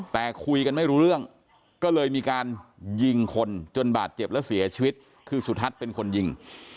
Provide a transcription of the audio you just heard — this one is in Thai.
แต่คุยกันไม่รู้เรื่องก็เลยมีการยิงคนจนบาดเจ็บและเสียชีวิตคือสุทัศน์เป็นคนยิง